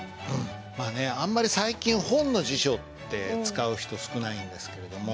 まあねあんまり最近本の辞書って使う人少ないんですけれども。